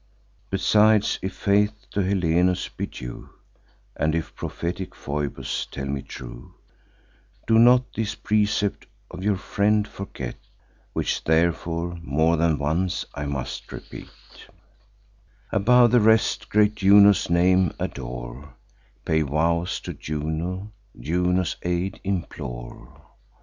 "'Besides, if faith to Helenus be due, And if prophetic Phoebus tell me true, Do not this precept of your friend forget, Which therefore more than once I must repeat: Above the rest, great Juno's name adore; Pay vows to Juno; Juno's aid implore.